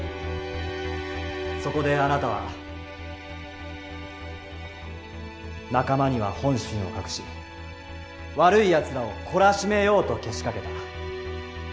そこであなたは仲間には本心を隠し悪いやつらを懲らしめようとけしかけた。